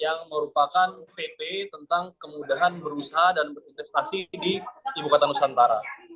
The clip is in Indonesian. yang merupakan pp tentang kemudahan berusaha dan berinvestasi di ibu kota nusantara